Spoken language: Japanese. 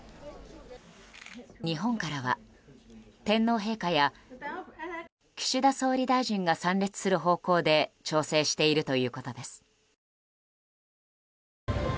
日本からは天皇陛下や岸田総理大臣が参列する方向で調整しているということです。